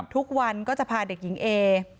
ทุกวันก็จะพาเด็กหญิงเอ